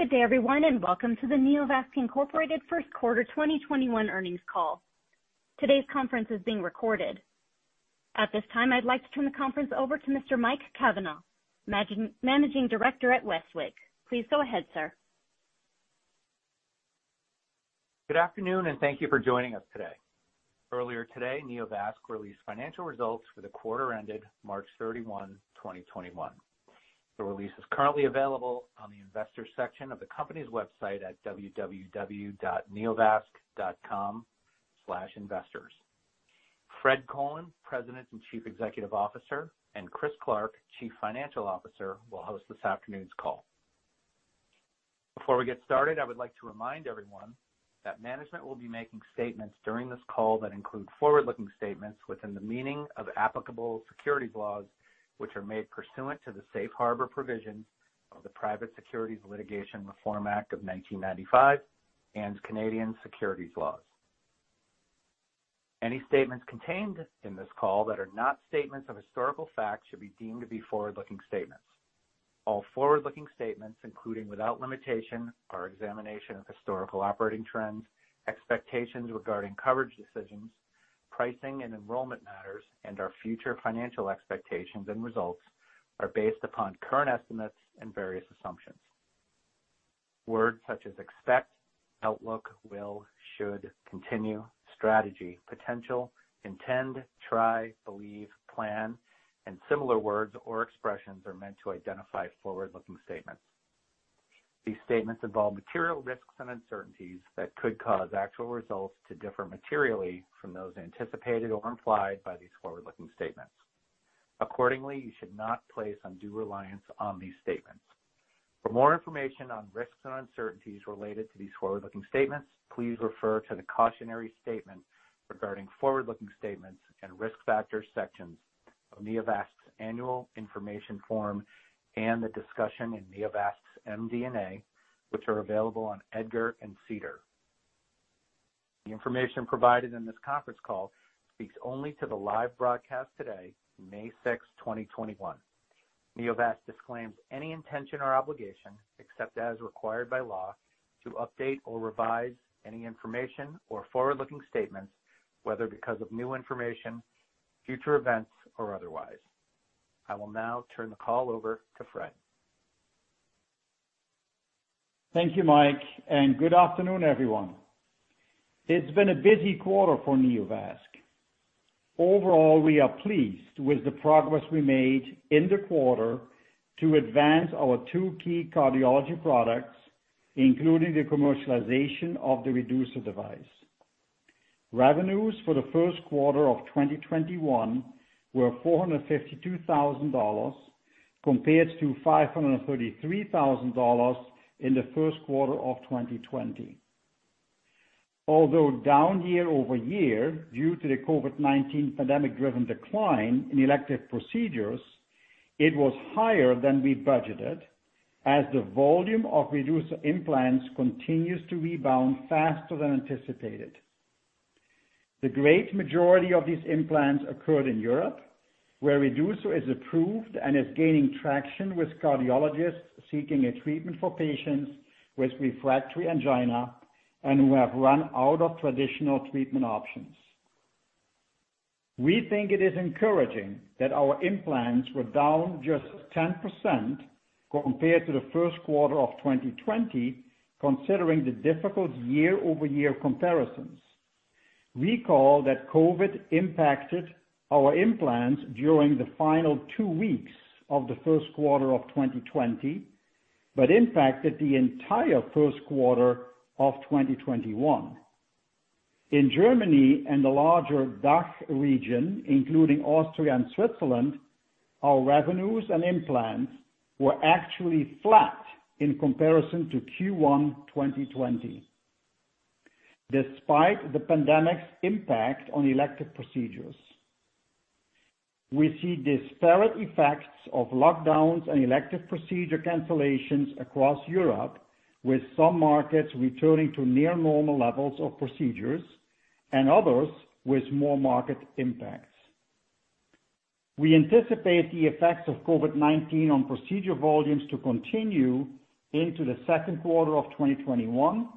Good day, everyone, welcome to the Neovasc Incorporated first quarter 2021 earnings call. Today's conference is being recorded. At this time, I'd like to turn the conference over to Mr. Mike Cavanaugh, Managing Director at Westwicke. Please go ahead, sir. Good afternoon, and thank you for joining us today. Earlier today, Neovasc released financial results for the quarter ended March 31, 2021. The release is currently available on the investors section of the company's website at www.neovasc.com/investors. Fred Colen, President and Chief Executive Officer, and Chris Clark, Chief Financial Officer, will host this afternoon's call. Before we get started, I would like to remind everyone that management will be making statements during this call that include forward-looking statements within the meaning of applicable securities laws, which are made pursuant to the safe harbor provision of the Private Securities Litigation Reform Act of 1995 and Canadian securities laws. Any statements contained in this call that are not statements of historical fact should be deemed to be forward-looking statements. All forward-looking statements, including without limitation, our examination of historical operating trends, expectations regarding coverage decisions, pricing and enrollment matters, and our future financial expectations and results, are based upon current estimates and various assumptions. Words such as expect, outlook, will, should, continue, strategy, potential, intend, try, believe, plan, and similar words or expressions are meant to identify forward-looking statements. These statements involve material risks and uncertainties that could cause actual results to differ materially from those anticipated or implied by these forward-looking statements. Accordingly, you should not place undue reliance on these statements. For more information on risks and uncertainties related to these forward-looking statements, please refer to the Cautionary Statement regarding forward-looking statements and Risk Factors sections of Neovasc's annual information form and the discussion in Neovasc's MD&A, which are available on EDGAR and SEDAR. The information provided in this conference call speaks only to the live broadcast today, May 6, 2021. Neovasc disclaims any intention or obligation, except as required by law, to update or revise any information or forward-looking statements, whether because of new information, future events, or otherwise. I will now turn the call over to Fred. Thank you, Mike, and good afternoon, everyone. It's been a busy quarter for Neovasc. Overall, we are pleased with the progress we made in the quarter to advance our two key cardiology products, including the commercialization of the Reducer device. Revenues for the first quarter of 2021 were $452,000 compared to $533,000 in the first quarter of 2020. Although down year-over-year due to the COVID-19 pandemic-driven decline in elective procedures, it was higher than we budgeted as the volume of Reducer implants continues to rebound faster than anticipated. The great majority of these implants occurred in Europe, where Reducer is approved and is gaining traction with cardiologists seeking a treatment for patients with refractory angina and who have run out of traditional treatment options. We think it is encouraging that our implants were down just 10% compared to the first quarter of 2020, considering the difficult year-over-year comparisons. Recall that COVID-19 impacted our implants during the final two weeks of the first quarter of 2020, but impacted the entire first quarter of 2021. In Germany and the larger DACH region, including Austria and Switzerland, our revenues and implants were actually flat in comparison to Q1 2020, despite the pandemic's impact on elective procedures. We see disparate effects of lockdowns and elective procedure cancellations across Europe, with some markets returning to near normal levels of procedures and others with more market impacts. We anticipate the effects of COVID-19 on procedure volumes to continue into the second quarter of 2021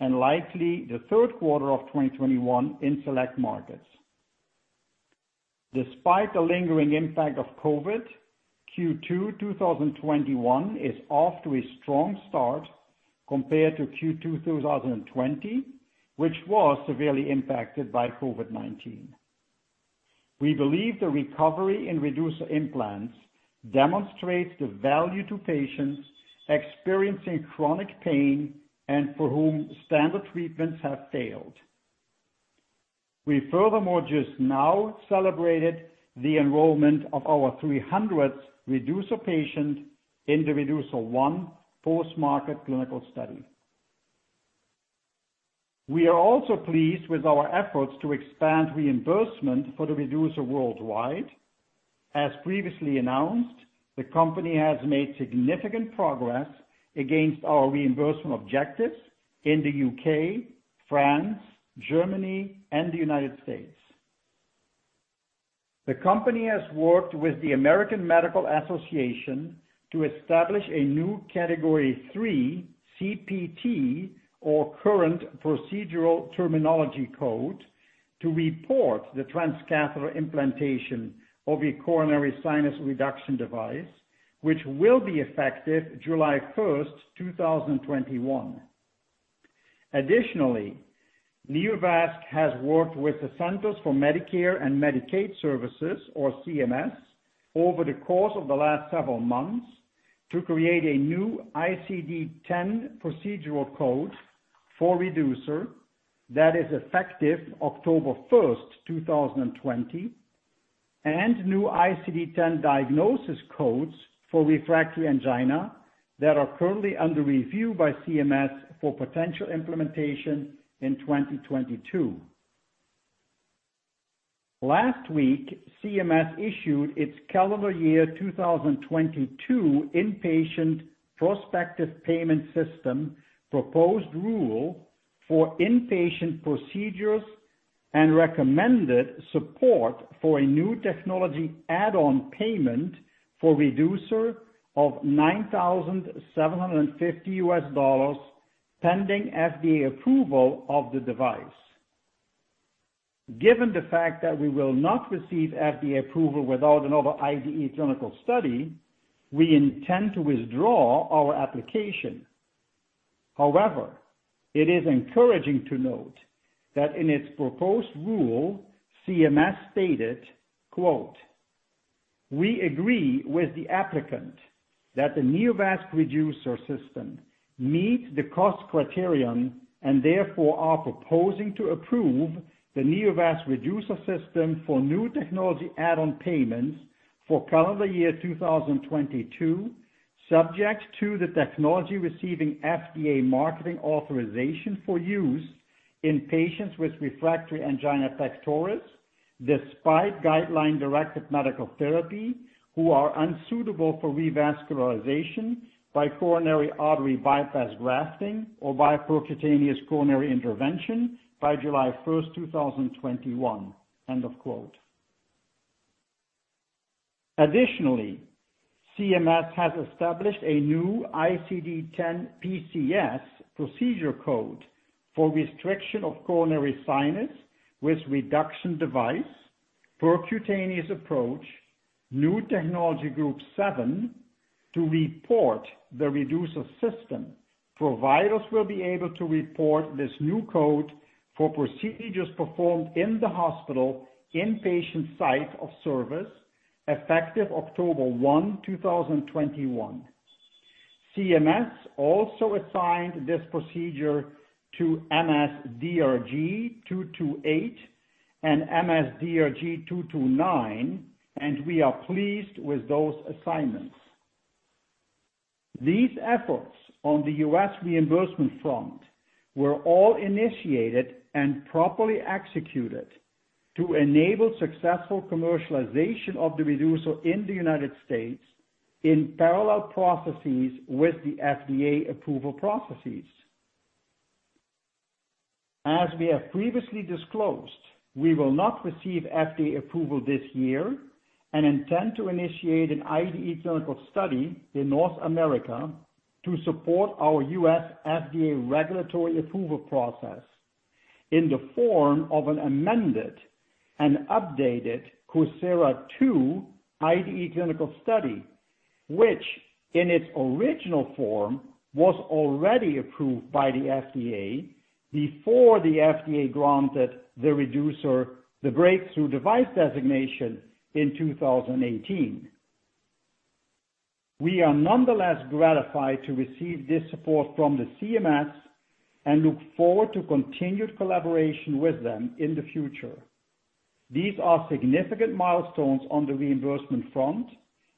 and likely the third quarter of 2021 in select markets. Despite the lingering impact of COVID, Q2 2021 is off to a strong start compared to Q2 2020, which was severely impacted by COVID-19. We believe the recovery in Reducer implants demonstrates the value to patients experiencing chronic pain and for whom standard treatments have failed. We furthermore just now celebrated the enrollment of our 300th Reducer patient in the REDUCER-I post-market clinical study. We are also pleased with our efforts to expand reimbursement for the Reducer worldwide. As previously announced, the company has made significant progress against our reimbursement objectives in the U.K., France, Germany, and the United States. The company has worked with the American Medical Association to establish a new category 3 CPT or Current Procedural Terminology code to report the transcatheter implantation of a coronary sinus reduction device, which will be effective July 1st, 2021. Additionally, Neovasc has worked with the Centers for Medicare & Medicaid Services, or CMS, over the course of the last several months to create a new ICD-10 procedural code for Reducer that is effective October 1st, 2020, and new ICD-10 diagnosis codes for refractory angina that are currently under review by CMS for potential implementation in 2022. Last week, CMS issued its calendar year 2022 Inpatient Prospective Payment System proposed rule for inpatient procedures and recommended support for a new technology add-on payment for Reducer of $9,750, pending FDA approval of the device. Given the fact that we will not receive FDA approval without another IDE clinical study, we intend to withdraw our application. However, it is encouraging to note that in its proposed rule, CMS stated, quote, "We agree with the applicant that the Neovasc Reducer system meets the cost criterion and therefore are proposing to approve the Neovasc Reducer system for new technology add-on payments for calendar year 2022, subject to the technology receiving FDA marketing authorization for use in patients with refractory angina pectoris despite guideline-directed medical therapy who are unsuitable for revascularization by coronary artery bypass grafting or by percutaneous coronary intervention by July 1, 2021." End of quote. Additionally, CMS has established a new ICD-10 PCS procedure code for restriction of coronary sinus with reduction device, percutaneous approach, new technology group seven, to report the Reducer system. Providers will be able to report this new code for procedures performed in the hospital inpatient site of service effective October 1, 2021. CMS also assigned this procedure to MS-DRG 228 and MS-DRG 229, and we are pleased with those assignments. These efforts on the U.S. reimbursement front were all initiated and properly executed to enable successful commercialization of the Reducer in the United States in parallel processes with the FDA approval processes. As we have previously disclosed, we will not receive FDA approval this year and intend to initiate an IDE clinical study in North America to support our U.S. FDA regulatory approval process in the form of an amended and updated COSIRA-II IDE clinical study, which in its original form was already approved by the FDA before the FDA granted the Reducer the breakthrough device designation in 2018. We are nonetheless gratified to receive this support from the CMS and look forward to continued collaboration with them in the future. These are significant milestones on the reimbursement front,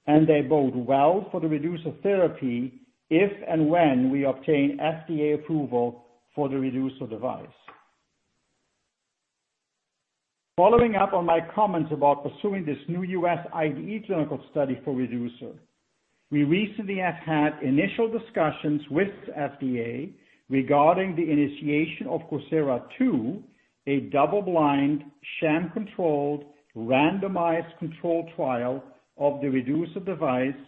and they bode well for the Reducer therapy if and when we obtain FDA approval for the Reducer device. Following up on my comments about pursuing this new U.S. IDE clinical study for Reducer, we recently have had initial discussions with FDA regarding the initiation of COSIRA-II, a double-blind, sham-controlled, randomized controlled trial of the Reducer device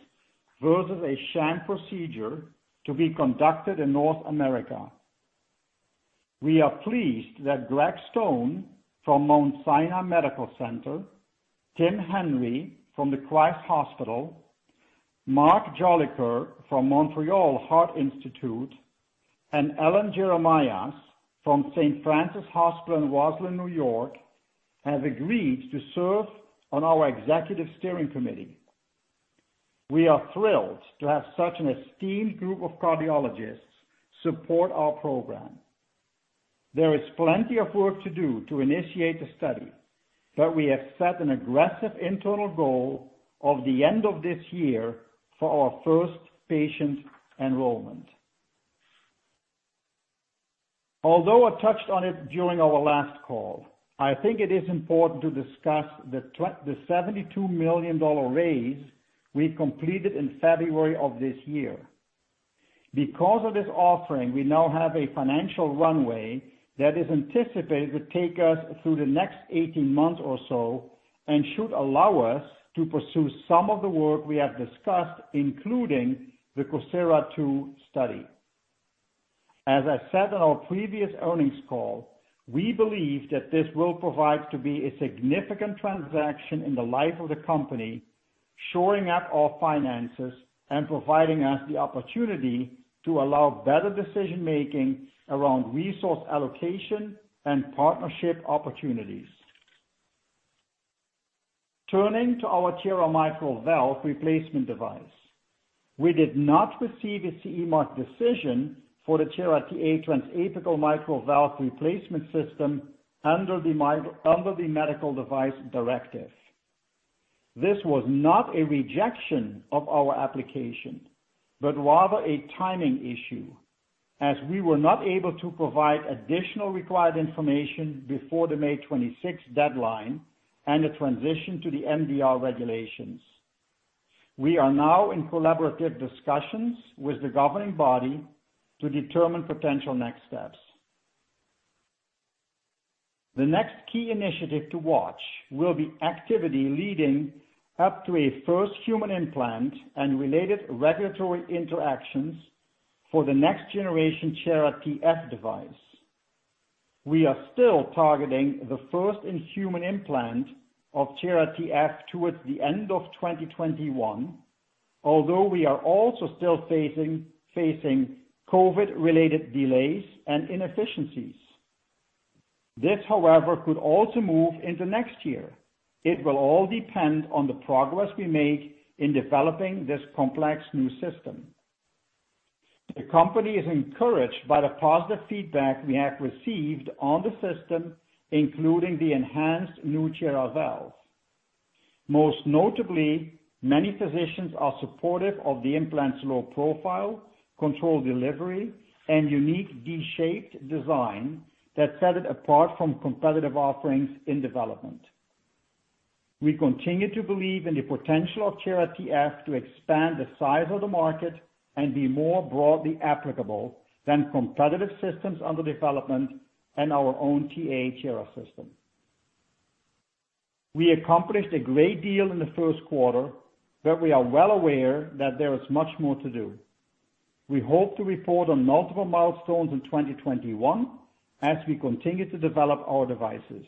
versus a sham procedure to be conducted in North America. We are pleased that Gregg Stone from Mount Sinai Medical Center, Tim Henry from The Christ Hospital, Marc Jolicoeur from Montreal Heart Institute, and Allen Jeremias from St. Francis Hospital in Roslyn, New York, have agreed to serve on our executive steering committee. We are thrilled to have such an esteemed group of cardiologists support our program. There is plenty of work to do to initiate the study, but we have set an aggressive internal goal of the end of this year for our first patient enrollment. Although I touched on it during our last call, I think it is important to discuss the $72 million raise we completed in February of this year. Because of this offering, we now have a financial runway that is anticipated to take us through the next 18 months or so, and should allow us to pursue some of the work we have discussed, including the COSIRA-II study. As I said on our previous earnings call, we believe that this will provide to be a significant transaction in the life of the company, shoring up our finances and providing us the opportunity to allow better decision-making around resource allocation and partnership opportunities. Turning to our Tiara mitral valve replacement device. We did not receive a CE mark decision for the Tiara TA Transapical mitral valve replacement system under the Medical Device Directive. This was not a rejection of our application, rather a timing issue, as we were not able to provide additional required information before the May 26th deadline and the transition to the MDR regulations. We are now in collaborative discussions with the governing body to determine potential next steps. The next key initiative to watch will be activity leading up to a first human implant and related regulatory interactions for the next generation Tiara TF device. We are still targeting the first-in-human implant of Tiara TF towards the end of 2021, we are also still facing COVID-related delays and inefficiencies. This, however, could also move into next year. It will all depend on the progress we make in developing this complex new system. The company is encouraged by the positive feedback we have received on the system, including the enhanced new Tiara valve. Most notably, many physicians are supportive of the implant's low profile, controlled delivery, and unique D-shaped design that set it apart from competitive offerings in development. We continue to believe in the potential of Tiara TF to expand the size of the market and be more broadly applicable than competitive systems under development and our own TA Tiara system. We accomplished a great deal in the first quarter. We are well aware that there is much more to do. We hope to report on multiple milestones in 2021 as we continue to develop our devices.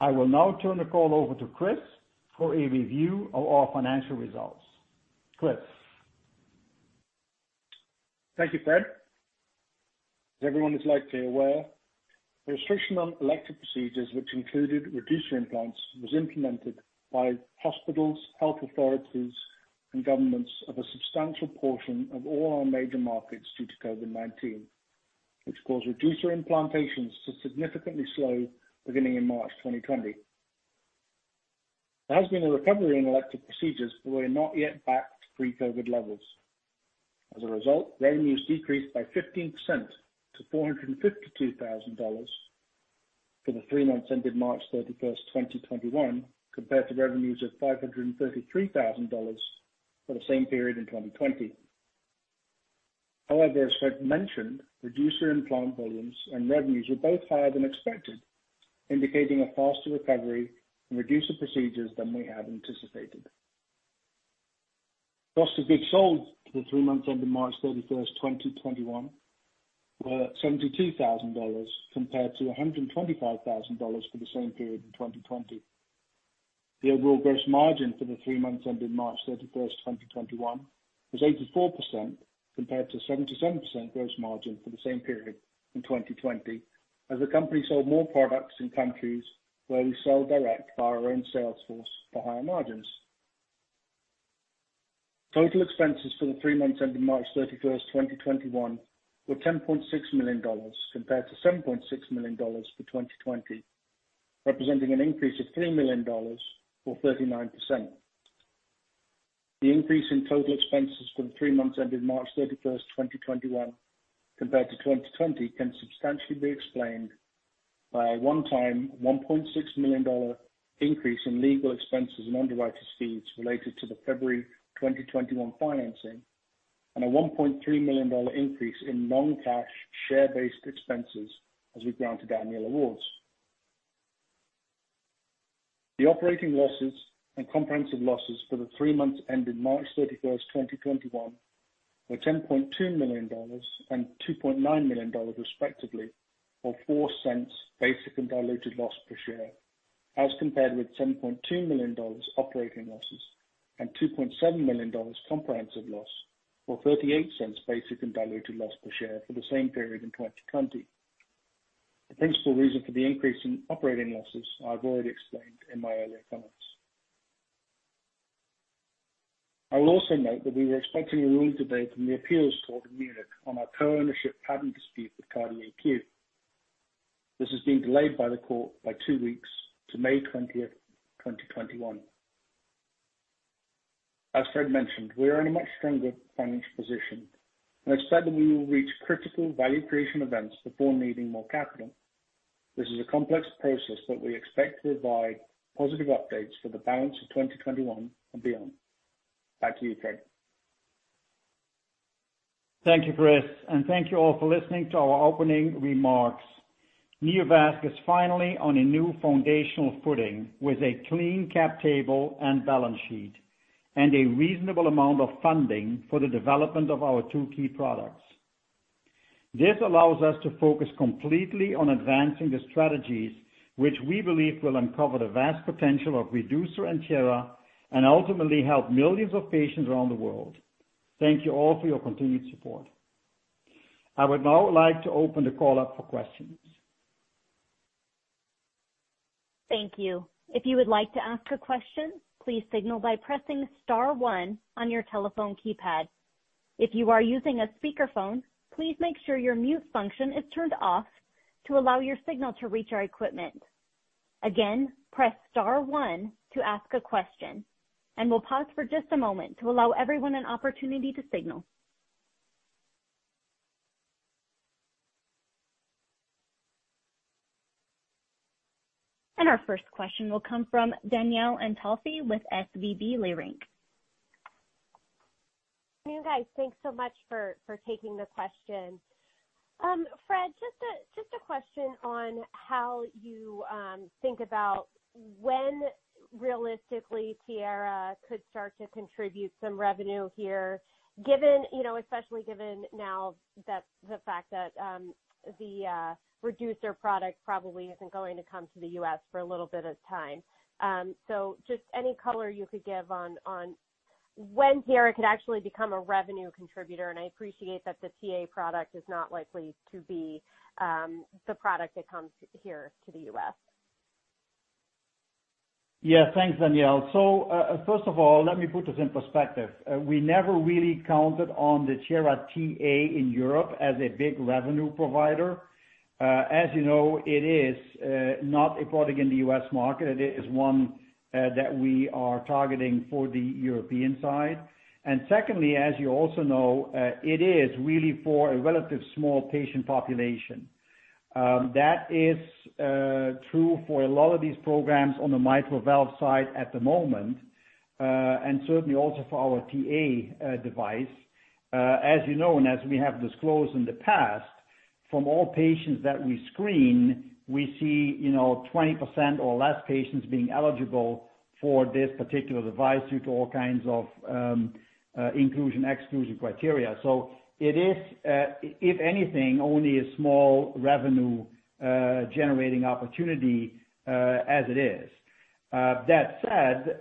I will now turn the call over to Chris for a review of our financial results. Chris. Thank you, Fred. As everyone is likely aware, the restriction on elective procedures, which included Reducer implants, was implemented by hospitals, health authorities, and governments of a substantial portion of all our major markets due to COVID-19, which caused Reducer implantations to significantly slow beginning in March 2020. There has been a recovery in elective procedures, but we're not yet back to pre-COVID levels. As a result, revenues decreased by 15% to $452,000 for the three months ended March 31st, 2021, compared to revenues of $533,000 for the same period in 2020. As Fred mentioned, Reducer implant volumes and revenues were both higher than expected, indicating a faster recovery in Reducer procedures than we had anticipated. Costs of Goods Sold for the three months ended March 31st, 2021, were $72,000 compared to $125,000 for the same period in 2020. The overall gross margin for the three months ended March 31st, 2021, was 84% compared to 77% gross margin for the same period in 2020, as the company sold more products in countries where we sell direct by our own sales force for higher margins. Total expenses for the three months ended March 31st, 2021, were $10.6 million compared to $7.6 million for 2020, representing an increase of $3 million or 39%. The increase in total expenses for the three months ended March 31st, 2021 compared to 2020 can substantially be explained by a one-time $1.6 million increase in legal expenses and underwriter fees related to the February 2021 financing and a $1.3 million increase in non-cash share-based expenses as we granted annual awards. The operating losses and comprehensive losses for the three months ending March 31st, 2021 were $10.2 million and $2.9 million, respectively, or $0.04 basic and diluted loss per share, as compared with $7.2 million operating losses and $2.7 million comprehensive loss, or $0.38 basic and diluted loss per share for the same period in 2020. The principal reason for the increase in operating losses I've already explained in my earlier comments. I will also note that we were expecting a ruling today from the appeals court in Munich on our co-ownership patent dispute with CardiAQ. This has been delayed by the court by two weeks to May 20th, 2021. As Fred mentioned, we are in a much stronger financial position, and I expect that we will reach critical value creation events before needing more capital. This is a complex process that we expect to provide positive updates for the balance of 2021 and beyond. Back to you, Fred. Thank you, Chris, and thank you all for listening to our opening remarks. Neovasc is finally on a new foundational footing with a clean cap table and balance sheet and a reasonable amount of funding for the development of our two key products. This allows us to focus completely on advancing the strategies which we believe will uncover the vast potential of Reducer and Tiara and ultimately help millions of patients around the world. Thank you all for your continued support. I would now like to open the call up for questions. Thank you. If you would like to ask a question, please signal by pressing star one on your telephone keypad. If you are using a speakerphone, please make sure your mute function is turned off to allow your signal to reach our equipment. Again, press star one to ask a question, and we'll pause for just a moment to allow everyone an opportunity to signal. Our first question will come from Danielle Antalffy with SVB Leerink. You guys, thanks so much for taking the question. Fred, just a question on how you think about when realistically Tiara could start to contribute some revenue here, given, you know, especially given now that the fact that the Reducer product probably isn't going to come to the U.S. for a little bit of time. Just any color you could give on when Tiara could actually become a revenue contributor. I appreciate that the TA product is not likely to be the product that comes here to the U.S. Thanks, Danielle. First of all, let me put this in perspective. We never really counted on the Tiara TA in Europe as a big revenue provider. As you know, it is not a product in the U.S. market. It is one that we are targeting for the European side. Secondly, as you also know, it is really for a relative small patient population. That is true for a lot of these programs on the mitral valve side at the moment, and certainly also for our TA device. As you know, and as we have disclosed in the past, from all patients that we screen, we see, you know, 20% or less patients being eligible for this particular device due to all kinds of inclusion, exclusion criteria. It is, if anything, only a small revenue generating opportunity as it is. That said,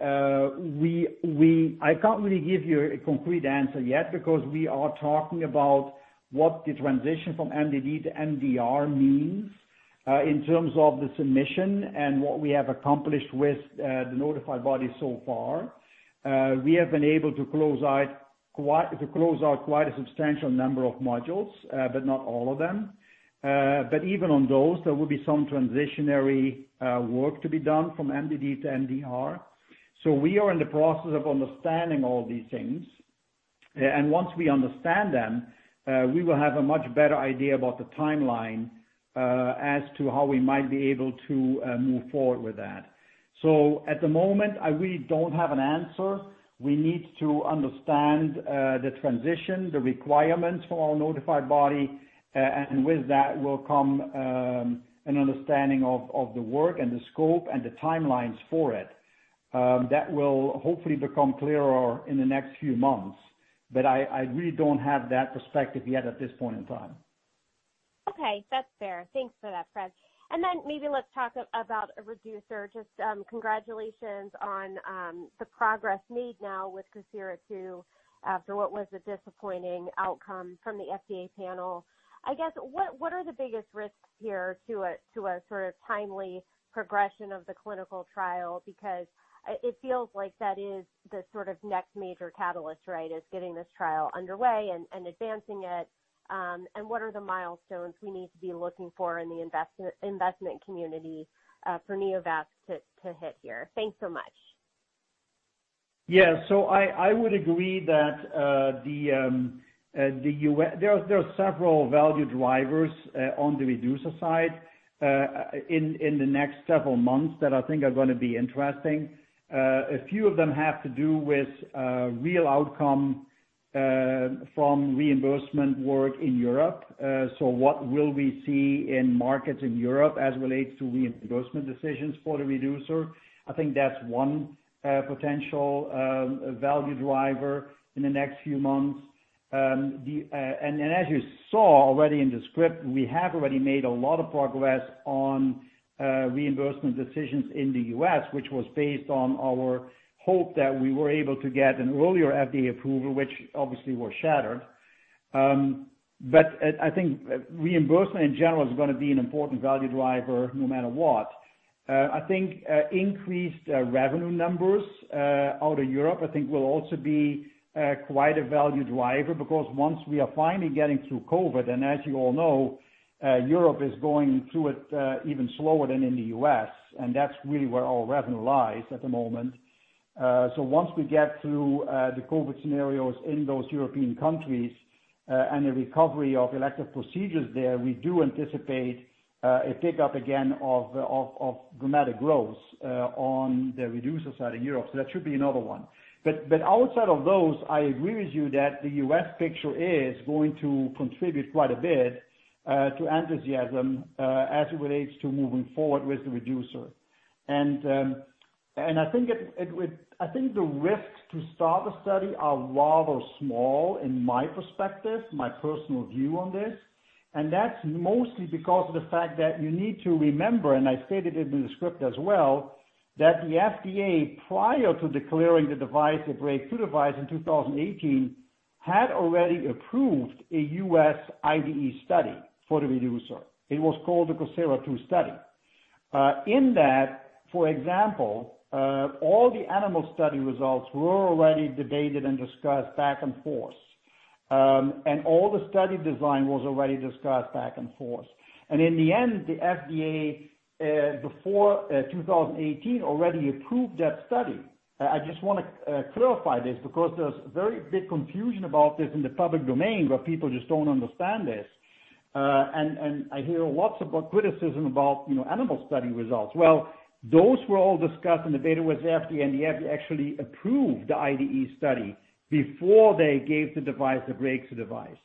I can't really give you a concrete answer yet because we are talking about what the transition from MDD to MDR means in terms of the submission and what we have accomplished with the notified body so far. We have been able to close out quite a substantial number of modules, but not all of them. But even on those, there will be some transitionary work to be done from MDD to MDR. We are in the process of understanding all these things. Once we understand them, we will have a much better idea about the timeline as to how we might be able to move forward with that. At the moment, I really don't have an answer. We need to understand the transition, the requirements for our notified body, and with that will come an understanding of the work and the scope and the timelines for it. That will hopefully become clearer in the next few months. I really don't have that perspective yet at this point in time. Okay. That's fair. Thanks for that, Fred. Then maybe let's talk about Reducer. Just, congratulations on the progress made now with COSIRA-II after what was a disappointing outcome from the FDA panel. I guess, what are the biggest risks here to a sort of timely progression of the clinical trial? Because it feels like that is the sort of next major catalyst, right? Is getting this trial underway and advancing it. What are the milestones we need to be looking for in the investment community for Neovasc to hit here? Thanks so much. Yeah. I would agree that there are several value drivers on the Reducer side in the next several months that I think are gonna be interesting. A few of them have to do with real outcome from reimbursement work in Europe. What will we see in markets in Europe as it relates to reimbursement decisions for the Reducer? I think that's one potential value driver in the next few months. As you saw already in the script, we have already made a lot of progress on reimbursement decisions in the U.S., which was based on our hope that we were able to get an earlier FDA approval, which obviously was shattered. I think reimbursement in general is gonna be an important value driver no matter what. I think increased revenue numbers out of Europe, I think, will also be quite a value driver because once we are finally getting through COVID, and as you all know, Europe is going through it even slower than in the U.S., and that's really where all revenue lies at the moment. Once we get through the COVID scenarios in those European countries and the recovery of elective procedures there, we do anticipate a pick-up again of dramatic growth on the Reducer side in Europe. That should be another one. Outside of those, I agree with you that the U.S. picture is going to contribute quite a bit to enthusiasm as it relates to moving forward with the Reducer. I think the risks to start the study are rather small in my perspective, my personal view on this. That's mostly because of the fact that you need to remember, and I stated it in the script as well, that the FDA, prior to declaring the device a breakthrough device in 2018, had already approved a U.S. IDE study for the Reducer. It was called the COSIRA-II study. In that, for example, all the animal study results were already debated and discussed back and forth. All the study design was already discussed back and forth. In the end, the FDA, before 2018, already approved that study. I just want to clarify this because there's very big confusion about this in the public domain where people just don't understand this. I hear lots of criticism about, you know, animal study results. Well, those were all discussed and debated with the FDA, and the FDA actually approved the IDE study before they gave the device a breakthrough device.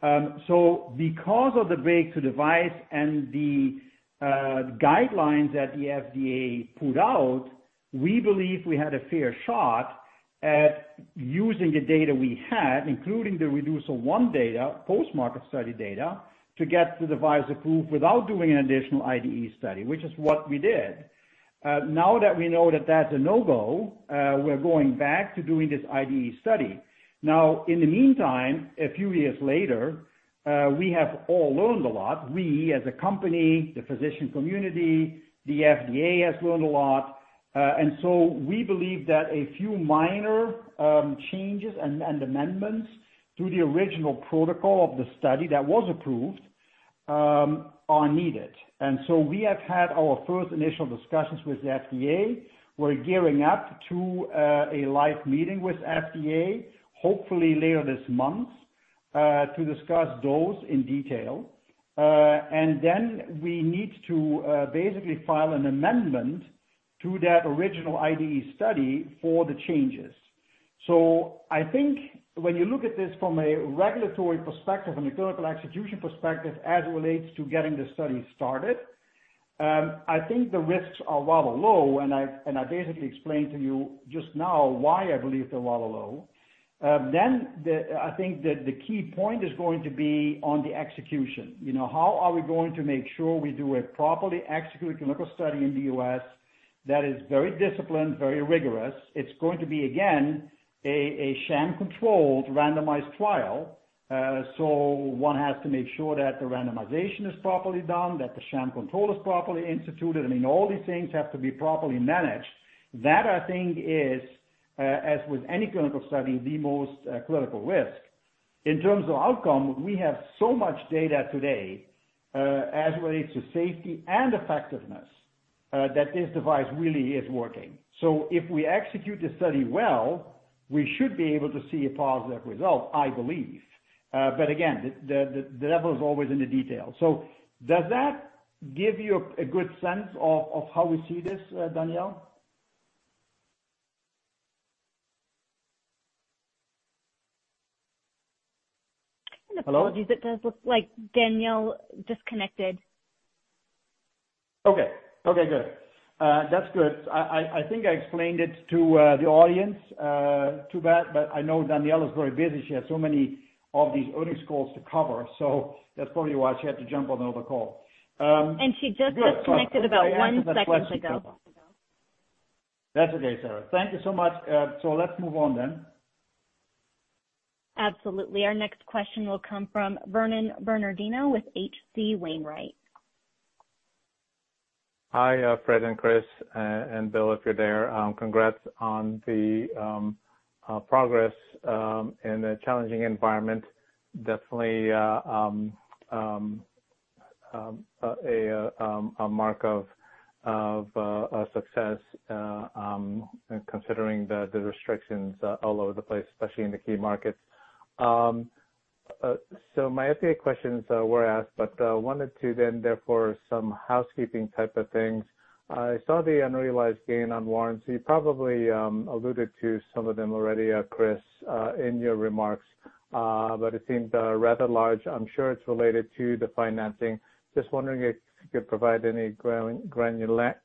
Because of the breakthrough device and the guidelines that the FDA put out, we believe we had a fair shot at using the data we had, including the REDUCER-I data, post-market study data, to get the device approved without doing an additional IDE study, which is what we did. Now that we know that that's a no-go, we're going back to doing this IDE study. Now, in the meantime, a few years later, we have all learned a lot. We, as a company, the physician community, the FDA has learned a lot. We believe that a few minor changes and amendments to the original protocol of the study that was approved are needed. We have had our first initial discussions with the FDA. We're gearing up to a live meeting with FDA, hopefully later this month, to discuss those in detail. Then we need to basically file an amendment to that original IDE study for the changes. I think when you look at this from a regulatory perspective and a clinical execution perspective as it relates to getting the study started, I think the risks are rather low, and I, and I basically explained to you just now why I believe they're rather low. Then I think that the key point is going to be on the execution. You know, how are we going to make sure we do a properly executed clinical study in the U.S. that is very disciplined, very rigorous? It's going to be, again, a sham-controlled randomized trial. One has to make sure that the randomization is properly done, that the sham control is properly instituted. I mean, all these things have to be properly managed. That, I think is, as with any clinical study, the most clinical risk. In terms of outcome, we have so much data today, as relates to safety and effectiveness, that this device really is working. If we execute the study well, we should be able to see a positive result, I believe. Again, the devil is always in the detail. Does that give you a good sense of how we see this, Danielle? And apologies- Hello? It does look like Danielle disconnected. Okay. Okay, good. That's good. I think I explained it to the audience. Too bad, but I know Danielle is very busy. She has so many of these earnings calls to cover, that's probably why she had to jump on another call. She just disconnected about one second ago. That's okay, Sarah. Thank you so much. Let's move on then. Absolutely. Our next question will come from Vernon Bernardino with H.C. Wainwright. Hi, Fred and Chris and Bill, if you're there. Congrats on the progress in a challenging environment. Definitely a mark of a success considering the restrictions all over the place, especially in the key markets. My FDA questions were asked, wanted to then therefore some housekeeping type of things. I saw the unrealized gain on warrants. You probably alluded to some of them already, Chris, in your remarks. It seems rather large. I'm sure it's related to the financing. Just wondering if you could provide any granularity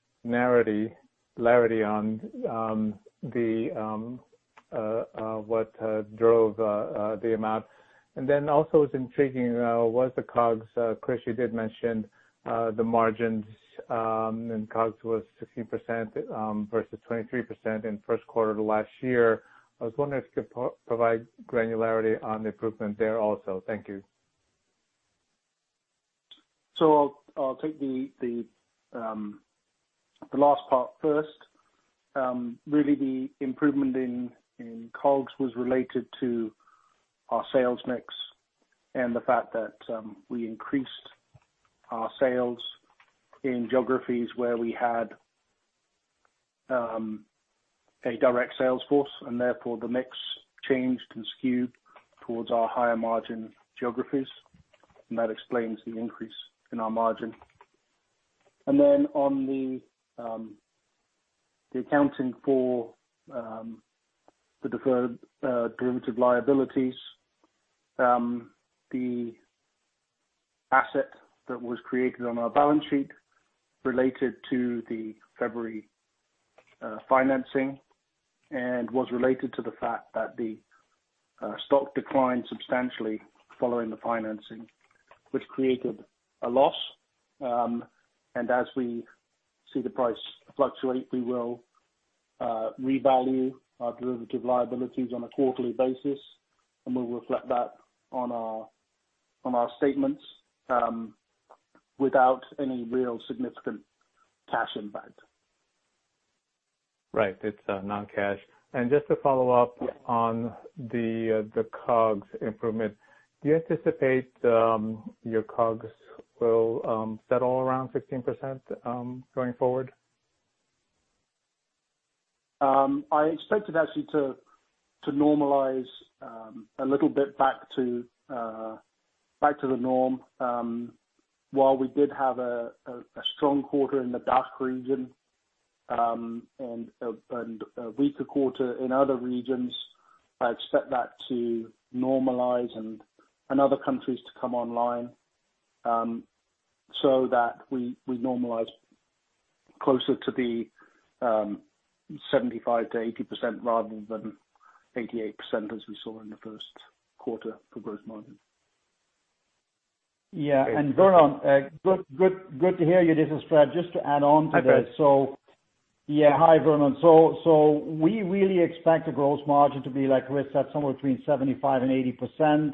on the what drove the amount. Also it's intriguing was the COGS. Chris, you did mention the margins, and COGS was 15% versus 23% in first quarter of last year. I was wondering if you could provide granularity on the improvement there also. Thank you. I'll take the last part first. Really the improvement in COGS was related to our sales mix and the fact that, we increased our sales in geographies where we had one direct sales force, the mix changed and skewed towards our higher margin geographies. That explains the increase in our margin. On the accounting for the deferred derivative liabilities, the asset that was created on our balance sheet related to the February financing and was related to the fact that the stock declined substantially following the financing, which created a loss. As we see the price fluctuate, we will revalue our derivative liabilities on a quarterly basis. We'll reflect that on our statements without any real significant cash impact. Right. It's non-cash. Just to follow up on the COGS improvement. Do you anticipate your COGS will settle around 15% going forward? I expect it actually to normalize a little bit back to the norm. While we did have a strong quarter in the DACH region and a weaker quarter in other regions, I expect that to normalize and other countries to come online so that we normalize closer to the 75%-80% rather than 88% as we saw in the first quarter for gross margin. Yeah. Vernon, good to hear you. This is Fred. Just to add on to this. Hi, Fred. Hi, Vernon. We really expect the gross margin to be somewhere between 75% and 80%.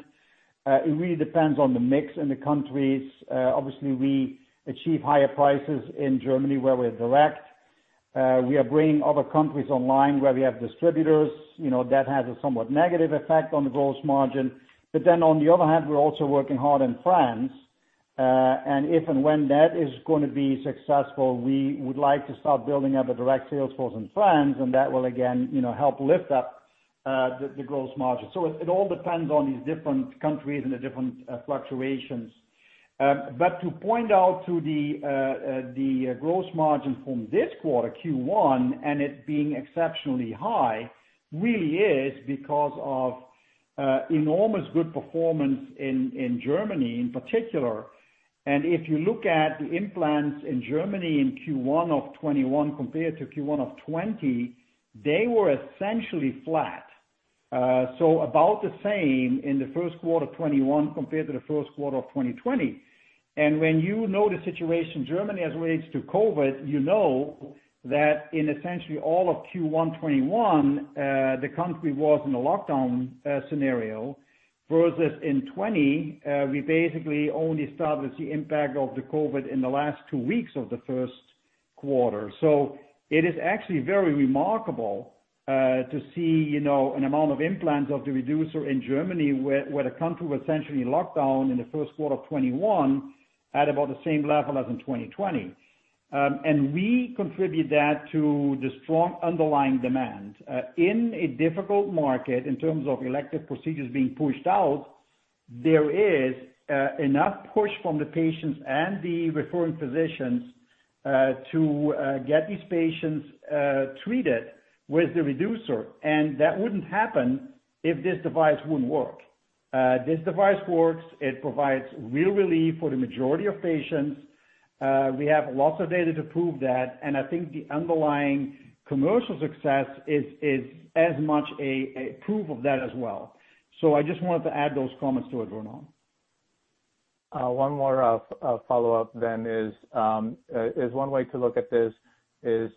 It really depends on the mix in the countries. Obviously, we achieve higher prices in Germany where we're direct. We are bringing other countries online where we have distributors, you know. That has a somewhat negative effect on the gross margin. On the other hand, we're also working hard in France. And if and when that is going to be successful, we would like to start building up a direct sales force in France, and that will again, you know, help lift up the gross margin. It all depends on these different countries and the different fluctuations. To point out to the gross margin from this quarter, Q1, and it being exceptionally high really is because of enormous good performance in Germany in particular. If you look at the implants in Germany in Q1 of 2021 compared to Q1 of 2020, they were essentially flat. About the same in the first quarter 2021 compared to the first quarter of 2020. When you know the situation in Germany as it relates to COVID, you know that in essentially all of Q1 2021, the country was in a lockdown scenario versus in 2020, we basically only established the impact of the COVID in the last two weeks of the first quarter. It is actually very remarkable, to see, you know, an amount of implants of the Reducer in Germany where the country was essentially locked down in the first quarter of 2021 at about the same level as in 2020. We contribute that to the strong underlying demand. In a difficult market in terms of elective procedures being pushed out, there is enough push from the patients and the referring physicians, to get these patients treated with the Reducer. That wouldn't happen if this device wouldn't work. This device works. It provides real relief for the majority of patients. We have lots of data to prove that. I think the underlying commercial success is as much a proof of that as well. I just wanted to add those comments to it, Vernon. One more follow-up then is one way to look at this is,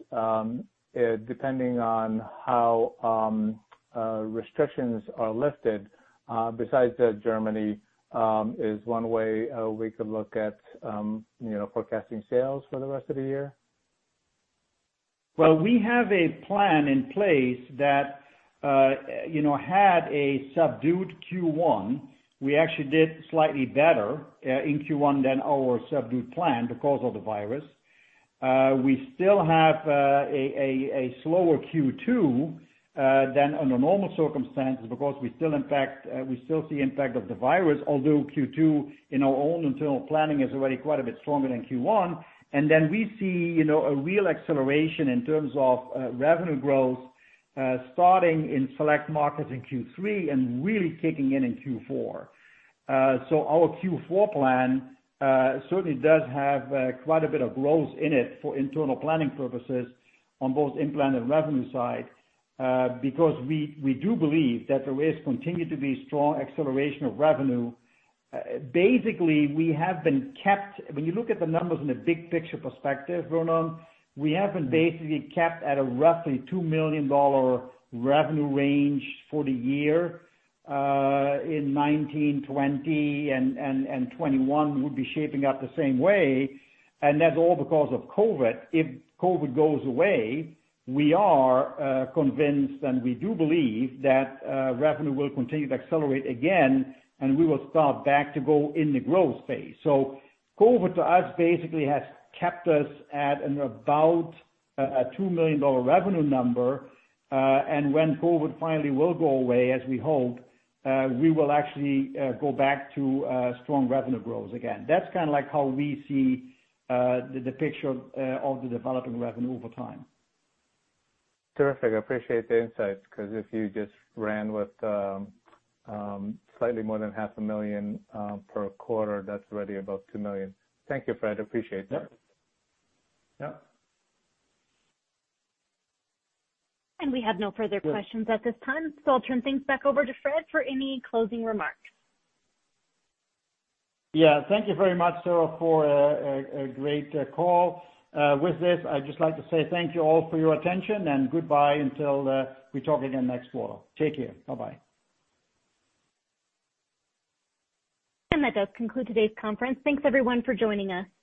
depending on how restrictions are lifted, besides Germany, is one way we could look at, you know, forecasting sales for the rest of the year? Well, we have a plan in place that, you know, had a subdued Q1. We actually did slightly better in Q1 than our subdued plan because of the virus. We still have a slower Q2 than under normal circumstances because we still see impact of the virus. Although Q2, in our own internal planning, is already quite a bit stronger than Q1. Then we see, you know, a real acceleration in terms of revenue growth, starting in select markets in Q3 and really kicking in in Q4. Our Q4 plan certainly does have quite a bit of growth in it for internal planning purposes on both implant and revenue side, because we do believe that there is continued to be strong acceleration of revenue. Basically, when you look at the numbers in a big picture perspective, Vernon, we have been basically kept at a roughly $2 million revenue range for the year, in 2019, 2020 and 2021 will be shaping up the same way, that's all because of COVID. If COVID goes away, we are convinced, we do believe that revenue will continue to accelerate again, we will start back to go in the growth phase. COVID to us basically has kept us at about a $2 million revenue number. When COVID finally will go away, as we hope, we will actually go back to strong revenue growth again. That's kinda like how we see the picture of the development revenue over time. Terrific. I appreciate the insights, because if you just ran with, slightly more than half a million per quarter, that's already about $2 million. Thank you, Fred. Appreciate that. Yep. Yep. We have no further questions at this time, so I'll turn things back over to Fred for any closing remarks. Thank you very much, Sarah, for a great call. With this, I'd just like to say thank you all for your attention and goodbye until we talk again next quarter. Take care. Bye-bye. That does conclude today's conference. Thanks everyone for joining us.